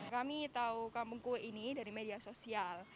kami tahu kampung kue ini dari media sosial